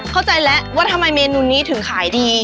เข้าใจแล้วว่าทำไมเมนูนี้ถึงขายดี